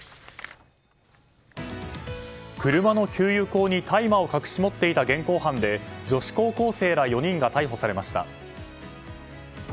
車の給油口に大麻を隠し持っていた現行犯で女子高校生ら４人が逮捕されました。